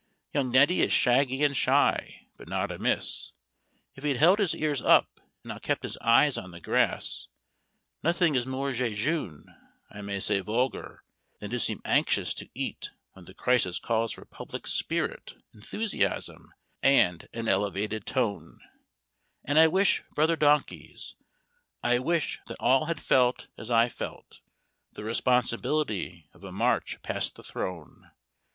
Young Neddy is shaggy and shy, but not amiss, if he'd held his ears up, and not kept his eyes on the grass. Nothing is more je june (I may say vulgar) than to seem anxious to eat when the crisis calls for public spirit, enthusiasm, and an elevated tone; And I wish, Brother Donkeys, I wish that all had felt as I felt, the responsibility of a March Past the Throne!